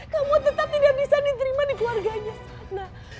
kamu tetap tidak bisa diterima di keluarganya sana